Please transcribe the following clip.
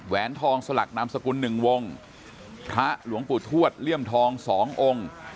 แวนทองสลักนามสกุลหนึ่งวงพระหลวงปู่ทวดเลี่ยมทองสององค์